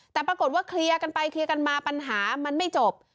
แต่ปรากฏว่าเคลียร์กันไปเคลียร์กันมาปัญหามันไม่จบ